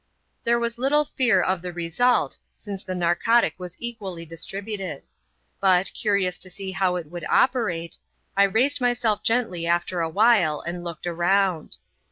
There was little fear of the result, since the narcotic was equally distributed. But, curious to see how it would operate, I raised myself gently after a while, and looked around.